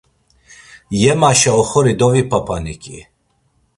Yemaşa oxori dovipapaniǩi.